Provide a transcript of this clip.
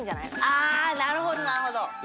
あなるほどなるほど。